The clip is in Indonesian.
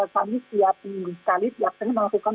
kami siap sekali melakukan